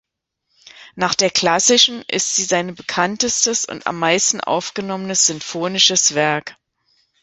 Nach der „Klassischen“ ist sie sein bekanntestes und am meisten aufgenommenes sinfonisches Werk.